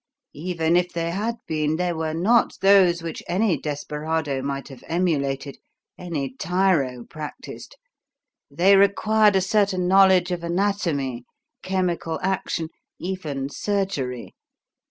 Even if they had been, they were not those which any desperado might have emulated, any tyro practised. They required a certain knowledge of anatomy, chemical action even surgery.